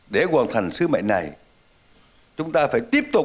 để hoàn thành sứ mệnh này chúng ta phải tiếp tục